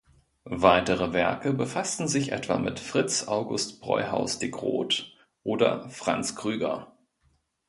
Weitere Werke befassten sich etwa mit "Fritz August Breuhaus de Groot" oder "Franz Krüger".